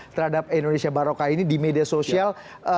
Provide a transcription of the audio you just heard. terhadap indonesia baroka ini di media sosial